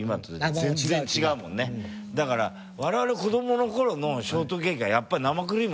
だから我々子供の頃のショートケーキはやっぱり。